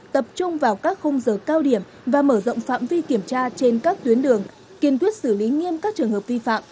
tập trung vào các khung giờ cao điểm và mở rộng phạm vi kiểm tra trên các tuyến đường kiên quyết xử lý nghiêm các trường hợp vi phạm